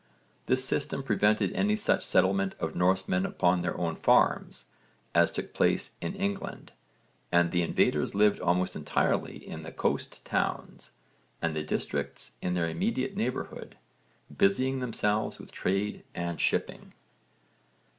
This system prevented any such settlement of Norsemen upon their own farms as took place in England, and the invaders lived almost entirely in the coast towns and the districts in their immediate neighbourhood, busying themselves with trade and shipping.